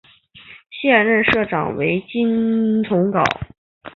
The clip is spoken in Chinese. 现任社长为金炳镐。